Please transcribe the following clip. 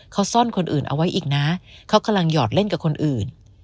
เขาซ่อนคนอื่นเอาไว้อีกนะเขากำลังหยอดเล่นกับคนอื่น